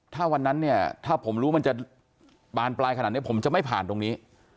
ถ้าวันนั้นเนี่ยถ้าผมรู้มันจะบานปลายขนาดนี้ผมจะไม่ผ่านตรงนี้